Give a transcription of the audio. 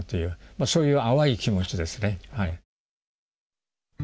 そういう淡い気持ちですね。